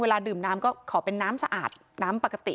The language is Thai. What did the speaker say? เวลาดื่มน้ำก็ขอเป็นน้ำสะอาดน้ำปกติ